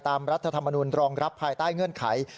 รัฐธรรมนุนรองรับภายใต้เงื่อนไข